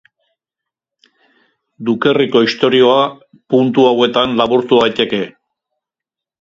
Dukerriko historia puntu hauetan laburtu daiteke.